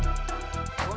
sampai jumpa lagi